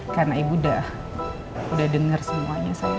karena ibu udah denger semuanya sayang